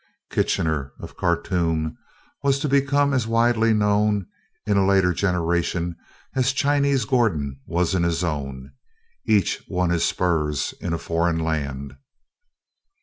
"Kitchener of Khartoum" was to become as widely known in a later generation as Chinese Gordon was in his own. Each won his spurs in a foreign land.